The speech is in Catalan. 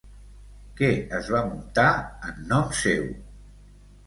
Què es va muntar en nom seu?